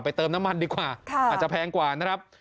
เติมน้ำมันดีกว่าอาจจะแพงกว่านะครับ